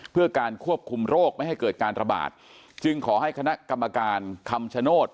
เพื่อการควบคุมโรคไม่ให้เกิดการระบาดจึงขอให้คณะกรรมการคำชโนธ